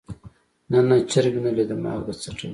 نه نه چرګ مې نه ليده مالګه څټل.